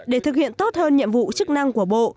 để thực hiện tốt hơn nhiệm vụ chức năng của bộ